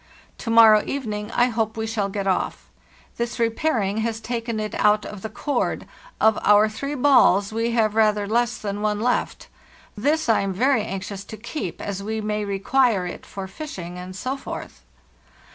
To morrow evening I hope we shall get off. This repairing has taken it out of the cord; of our three balls we have rather less than one left. This Iam very anxious to keep, as we may require it for fishing, and so forth.